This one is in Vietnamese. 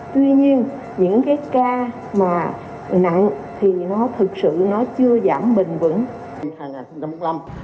tuy nhiên những cái ca mà nặng thì nó thực sự nó chưa giảm bình bẩn